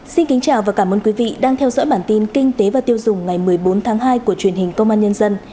xin kính chào và cảm ơn quý vị đang theo dõi bản tin kinh tế và tiêu dùng ngày một mươi bốn tháng hai của truyền hình công an nhân dân